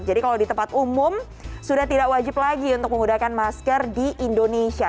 jadi kalau di tempat umum sudah tidak wajib lagi untuk menggunakan masker di indonesia